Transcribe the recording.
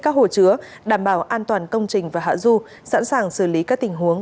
các hồ chứa đảm bảo an toàn công trình và hạ du sẵn sàng xử lý các tình huống